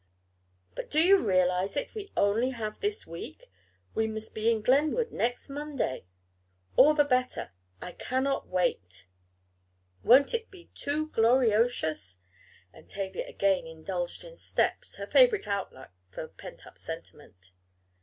"But do you realize it, we have only this week? We must be in Glenwood next Monday." "All the better. I cannot wait. Won't it be too gloriotious?" and Tavia again indulged in "steps," her favorite outlet for pent up sentiment.